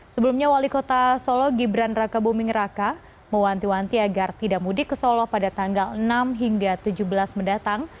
sebelumnya wali kota solo gibran raka buming raka mewanti wanti agar tidak mudik ke solo pada tanggal enam hingga tujuh belas mendatang